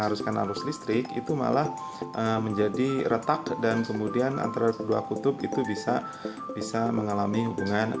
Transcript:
jika tidak mengharuskan arus listrik itu malah menjadi retak dan kemudian antara dua kutub itu bisa mengalami hubungan singkat